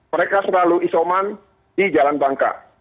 mereka selalu isoman di jalan bangka